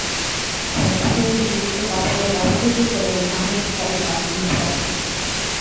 রাশিয়ায় নিযুক্ত কাতারের রাষ্ট্রদূত হলেন, আহমেদ সাইফ আল-মিদহাদী।